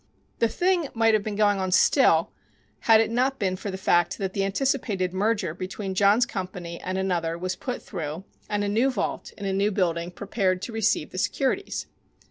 The thing might have been going on still had it not been for the fact that the anticipated merger between John's company and another was put through and a new vault in a new building prepared to receive the securities.